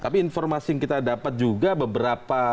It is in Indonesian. tapi informasi yang kita dapat juga beberapa